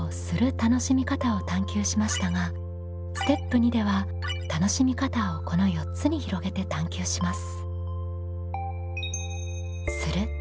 楽しみ方を探究しましたがステップ２では楽しみ方をこの４つに広げて探究します。